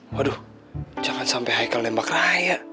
waduh jangan sampai haikal nembak raya